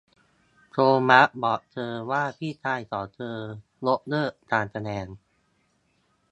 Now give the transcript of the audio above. โทมัสบอกเธอว่าพี่ชายของเธอยกเลิกการแสดง